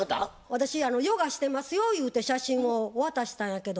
私ヨガしてますよゆうて写真を渡したんやけど。